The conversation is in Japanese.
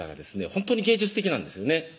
ほんとに芸術的なんですよね